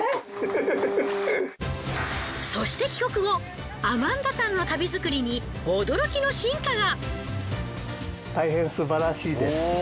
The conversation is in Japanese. そして帰国後アマンダさんの足袋作りに驚きの進化が！